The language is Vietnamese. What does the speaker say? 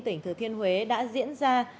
tỉnh thừa thiên huế đã diễn ra